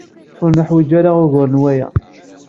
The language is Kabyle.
Ur neḥwiǧ ara ugar n waya.